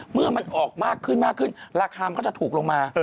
เมื่อมันออกมากขึ้นมากขึ้นราคามันก็จะถูกลงมา